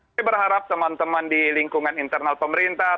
saya berharap teman teman di lingkungan internal pemerintah